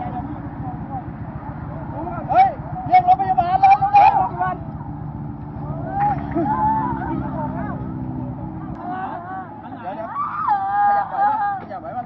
เจยเยียนเจยเยียนหรอ